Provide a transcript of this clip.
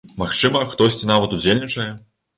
Магчыма, хтосьці нават удзельнічае?